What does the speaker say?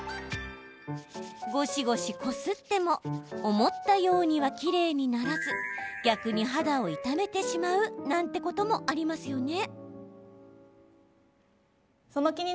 ゴシゴシこすっても思ったようにはきれいにならず逆に肌を傷めてしまうなんてこともありますよね？